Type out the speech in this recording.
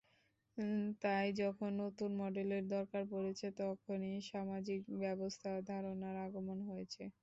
তাই যখন নতুন মডেলের দরকার পড়েছে, তখনই সামাজিক ব্যবসা ধারণার আগমন হয়েছে।